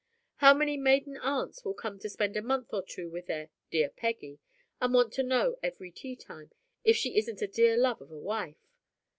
How many maiden aunts will come to spend a month or two with their "dear Peggy," and want to know every tea time "if she isn't a dear love of a wife?"